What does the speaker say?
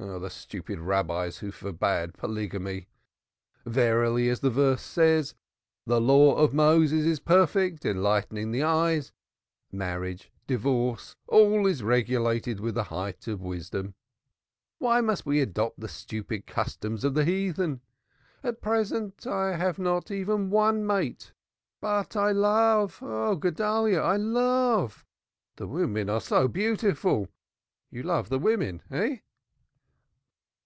Oh the stupid Rabbis who forbade polygamy. Verily as the verse says: The Law of Moses is perfect, enlightening the eyes marriage, divorce, all is regulated with the height of wisdom. Why must we adopt the stupid customs of the heathen? At present I have not even one mate but I love ah Guedalyah! I love! The women are so beautiful. You love the women, hey?"